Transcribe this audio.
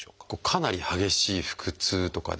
かなり激しい腹痛とかですね